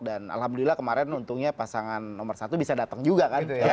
dan alhamdulillah kemarin untungnya pasangan nomor satu bisa datang juga kan